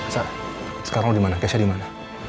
sa sekarang lo dimana keisha dimana